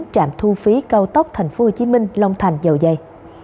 trạm thu phí cao tốc tp hcm long thành dầu dây